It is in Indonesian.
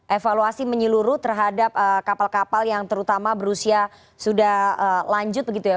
evaluasi menyeluruh terhadap kapal kapal yang terutama berusia sudah lanjut begitu ya